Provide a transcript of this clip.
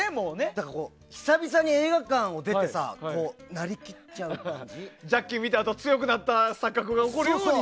久々に映画館を出てさジャッキーを見たあと強くなった錯覚が起こるように。